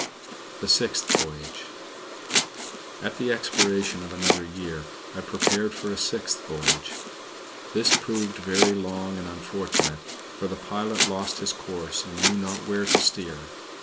THE SIXTH VOYAGE At the expiration of another year, I prepared for a sixth voyage. This proved very long and unfortunate, for the pilot lost his course and knew not where to steer.